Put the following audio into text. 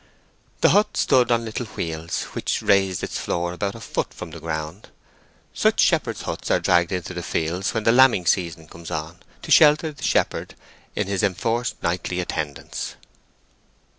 The hut stood on little wheels, which raised its floor about a foot from the ground. Such shepherds' huts are dragged into the fields when the lambing season comes on, to shelter the shepherd in his enforced nightly attendance.